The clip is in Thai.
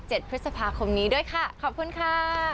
วัน๑๗พฤษภาคมนี้สวัสดีค่ะ